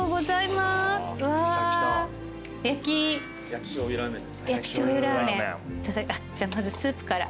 まずスープから。